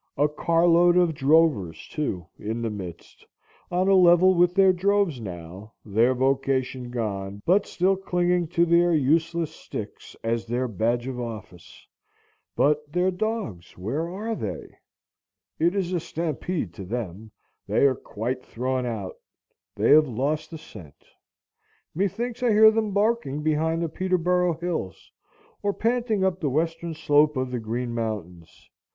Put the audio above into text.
A car load of drovers, too, in the midst, on a level with their droves now, their vocation gone, but still clinging to their useless sticks as their badge of office. But their dogs, where are they? It is a stampede to them; they are quite thrown out; they have lost the scent. Methinks I hear them barking behind the Peterboro' Hills, or panting up the western slope of the Green Mountains.